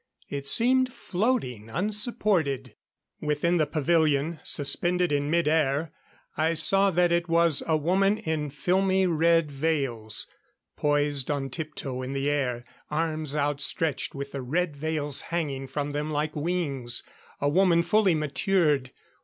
It seemed floating unsupported. Within the pavilion, suspended in mid air, I saw that it was a woman in filmy red veils. Poised on tip toe in the air. Arms outstretched, with the red veils hanging from them like wings. A woman fully matured.